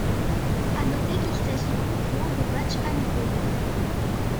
À noter qu'il s'agit uniquement de matchs amicaux.